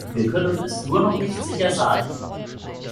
Wir können es nur noch nicht sicher sagen.